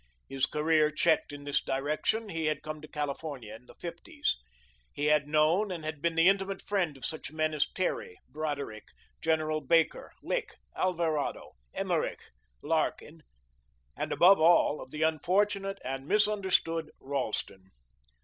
His career checked in this direction, he had come to California in the fifties. He had known and had been the intimate friend of such men as Terry, Broderick, General Baker, Lick, Alvarado, Emerich, Larkin, and, above all, of the unfortunate and misunderstood Ralston.